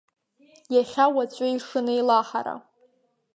Иахьа-уаҵәы ишынеилаҳара.